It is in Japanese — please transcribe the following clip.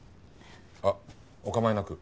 あっお構いなく。